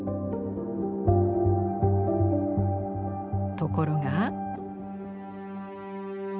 ところが。